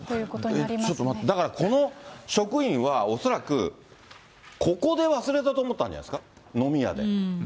えっ、ちょっと待って、この職員は恐らくここで忘れたと思ったんじゃないんですか、飲み屋で。